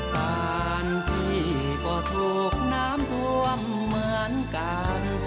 บ้านพี่ก็ถูกน้ำท่วมเหมือนกัน